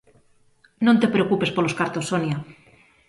Non te preocupes polos cartos, Sonia.